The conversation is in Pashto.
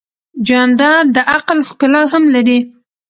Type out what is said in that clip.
جانداد د عقل ښکلا هم لري.